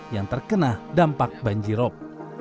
yang terkena dampak banjirop